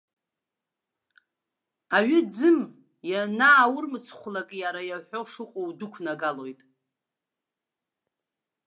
Аҩы ӡым, ианааурмцхәлак, иара иаҳәо шыҟоу удәықәнагалоит.